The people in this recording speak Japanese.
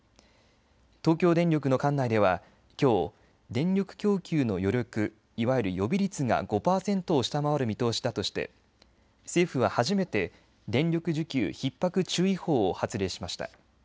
東京電力の管内ではきょう、電力供給の余力いわゆる予備率が５％を下回る見通しだとして政府は初めて電力需給ひっ迫注意報を発令しました。